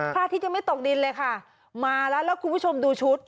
อาทิตยังไม่ตกดินเลยค่ะมาแล้วแล้วคุณผู้ชมดูชุด